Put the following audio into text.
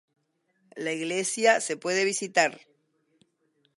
La iglesia se puede visitar.